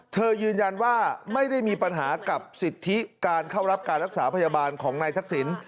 ยืนยันว่าไม่ได้มีปัญหากับสิทธิการเข้ารับการรักษาพยาบาลของนายทักษิณ